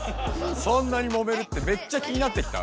そんなにもめるってめっちゃ気になってきた。